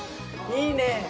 いいね！